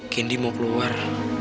candy mau keluar